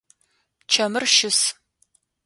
Чэмыр щыс.